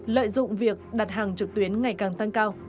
lợi dụng việc đặt hàng trực tuyến ngày càng tăng cao